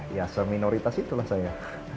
ya seminoritas itulah saya